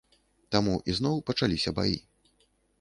Таму ізноў пачаліся баі.